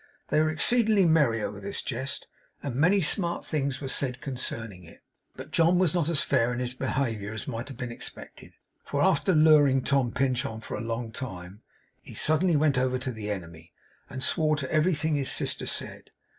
They were exceedingly merry over this jest, and many smart things were said concerning it; but John was not as fair in his behaviour as might have been expected, for, after luring Tom Pinch on for a long time, he suddenly went over to the enemy, and swore to everything his sister said.